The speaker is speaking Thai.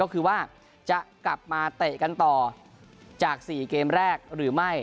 ก็คือว่าจะกลับมาเตะกันต่อจาก๔เกมแรกหรือไม่